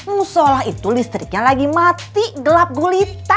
musola itu listriknya lagi mati gelap gulita